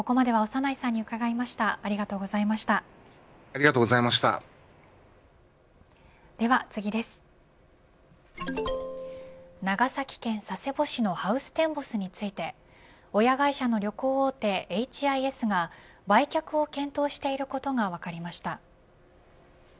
長崎県佐世保市のハウステンボスについて親会社の旅行大手ＨＩＳが、売却を検討していることが分かりました。